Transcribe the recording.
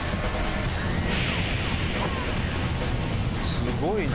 すごいな！